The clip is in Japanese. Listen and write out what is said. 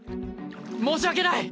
申し訳ない。